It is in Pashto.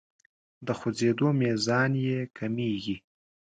د خوځیدو میزان یې کمیږي.